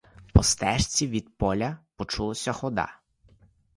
По стежці від поля почулася хода.